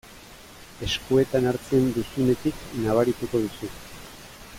Eskuetan hartzen duzunetik nabarituko duzu.